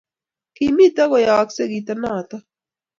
kimito koyooksei kito noto